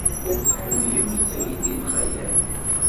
Ur tḥemmlemt aydi n Xali Ɛli.